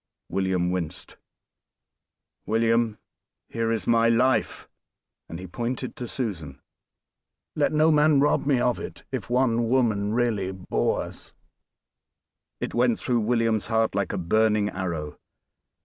William winced. "William! here is my life!" And he pointed to Susan. "Let no man rob me of it if one mother really bore us." It went through William's heart like a burning arrow.